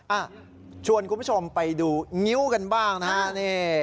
อ่ะชวนคุณผู้ชมไปดูงิ้วกันบ้างนะฮะนี่